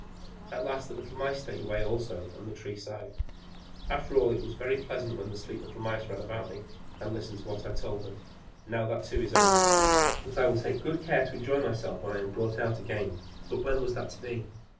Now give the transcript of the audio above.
At last the little Mice stayed away also; and the Tree sighed: "After all, it was very pleasant when the sleek little Mice sat round me, and listened to what I told them. Now that too is over. But I will take good care to enjoy myself when I am brought out again." But when was that to be?